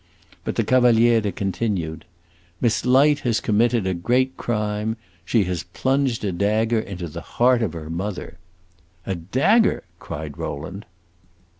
But the Cavaliere continued: "Miss Light has committed a great crime; she has plunged a dagger into the heart of her mother." "A dagger!" cried Rowland.